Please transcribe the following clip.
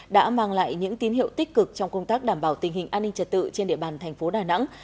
đã mang lại những tín hiệu tích cực trong công tác đảm bảo tình hình an ninh trật tự trên địa bàn thành phố đà nẵng